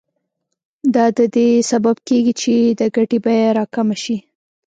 دا د دې سبب کېږي چې د ګټې بیه راکمه شي